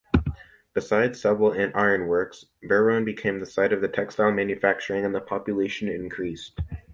Beside several ironworks, Beroun became the site of textile manufacturing and the population increased.